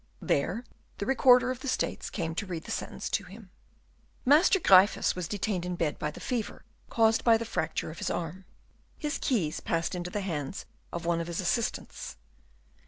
There the Recorder of the States came to read the sentence to him. Master Gryphus was detained in bed by the fever caused by the fracture of his arm. His keys passed into the hands of one of his assistants.